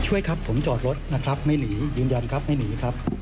ครับผมจอดรถนะครับไม่หนียืนยันครับไม่หนีครับ